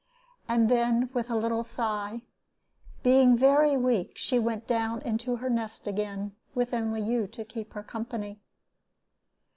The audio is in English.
And then, with a little sigh, being very weak, she went down into her nest again, with only you to keep her company.